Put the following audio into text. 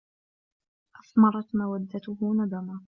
أَثْمَرَتْ مَوَدَّتُهُ نَدَمًا